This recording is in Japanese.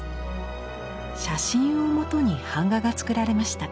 写真を元に版画が作られました。